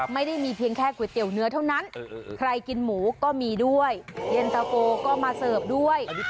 ไม่ได้มีเพียงแค่ก๋วยเตี๋ยวเนื้อเท่านั้นใครกินหมูก็มีด้วยเย็นตะโฟก็มาเสิร์ฟด้วย